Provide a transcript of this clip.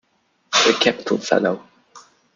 A capital fellow!